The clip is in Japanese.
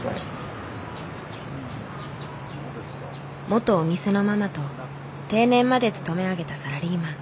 元お店のママと定年まで勤め上げたサラリーマン。